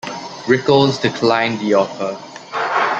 Rickles declined the offer.